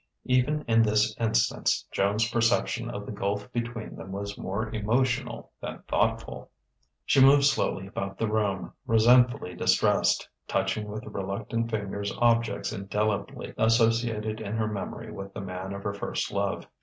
Even in this instance, Joan's perception of the gulf between them was more emotional than thoughtful.... She moved slowly about the room, resentfully distressed, touching with reluctant fingers objects indelibly associated in her memory with the man of her first love.